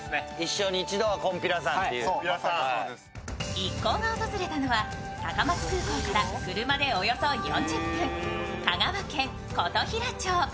一行が訪れたのは高松空港から車でおよそ４０分香川県琴平町。